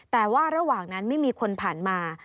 แต่ว่าระหว่างนั้นไม่มีคนผ่านมา